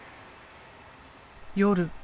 夜。